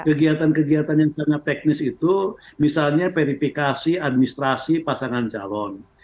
kegiatan kegiatan yang sangat teknis itu misalnya verifikasi administrasi pasangan calon